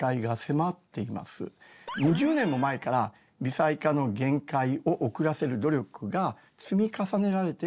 ２０年も前から微細化の限界を遅らせる努力が積み重ねられてきました。